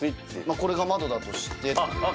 これが窓だとしてあっ